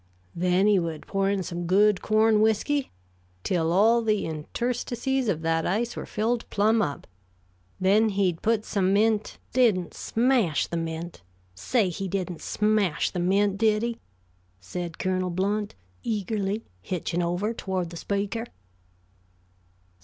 Then he would pour in some good corn whisky, till all the interstices of that ice were filled plumb up; then he'd put some mint " "Didn't smash the mint? Say, he didn't smash the mint, did he?" said Colonel Blount, eagerly, hitching over toward the speaker.